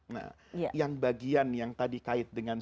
nah yang bagian yang tadi kait dengan